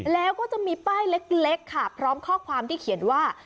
แล้วก็จะมีป้ายเล็กค่ะพร้อมข้อความที่เขียนว่า